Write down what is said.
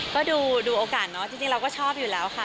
ก็ดูโอกาสเนอะจริงเราก็ชอบอยู่แล้วค่ะ